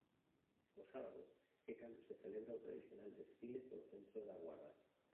O sábado é cando se celebra o tradicional desfile polo centro da Guarda.